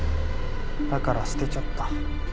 だから捨てちゃった。